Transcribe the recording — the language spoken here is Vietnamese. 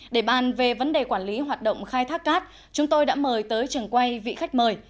để bàn về vấn đề quản lý hoạt động khai thác cát chúng tôi đã mời tới trường quay vị khách mời